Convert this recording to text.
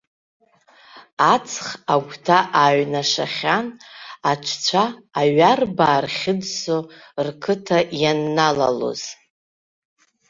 Аҵх агәҭа ааҩнашахьан аҽцәа аҩар баа рхьыӡсо рқыҭа ианналалоз.